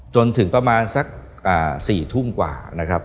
จนถึงประมาณสัก๔ทุ่มกว่านะครับ